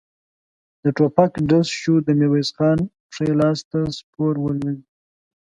د ټوپک ډز شو، د ميرويس خان ښی لاس ته سپور ولوېد.